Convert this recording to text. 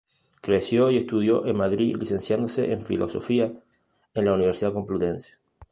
Creció y estudió en Madrid licenciándose en Filosofía en la Universidad Complutense.